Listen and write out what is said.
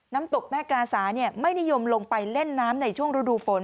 น้ำตกแม่กาสาไม่นิยมลงไปเล่นน้ำในช่วงฤดูฝน